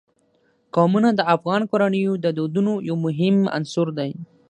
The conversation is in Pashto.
قومونه د افغان کورنیو د دودونو یو ډېر مهم عنصر دی.